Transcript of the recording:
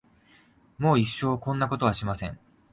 もう一生こんなことはしません。